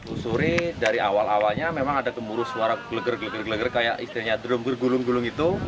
usuri dari awal awalnya memang ada gemuruh suara geleger geleger geleger kayak istilahnya drum bergulung gulung itu